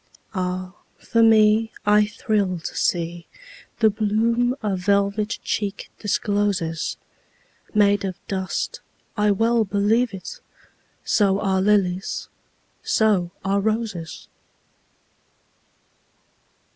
Ah, for me, I thrill to seeThe bloom a velvet cheek discloses, Made of dust—I well believe it! So are lilies, so are roses!